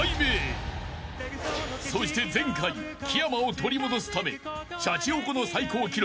［そして前回木山を取り戻すためシャチホコの最高記録